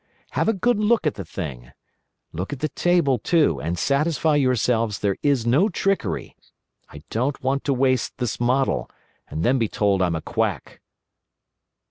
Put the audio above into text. Have a good look at the thing. Look at the table too, and satisfy yourselves there is no trickery. I don't want to waste this model, and then be told I'm a quack."